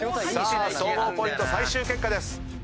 総合ポイント最終結果です。